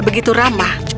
tidak begitu ramah